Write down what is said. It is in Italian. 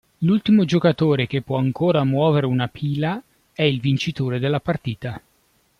L'ultimo giocatore che può ancora muovere una pila è il vincitore della partita.